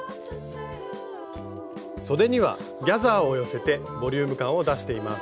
そでにはギャザーを寄せてボリューム感を出しています。